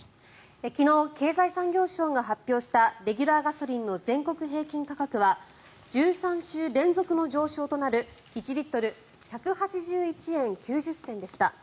昨日経済産業省が発表したレギュラーガソリンの全国平均価格は１３週連続の上昇となる１リットル１８１円９０銭でした。